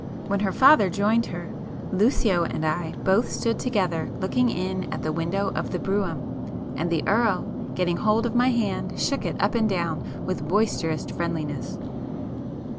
When her father joined her, Lucio and I both stood together looking in at the window of the brougham, and the Earl, getting hold of my hand shook it up and down with boisterous friendliness.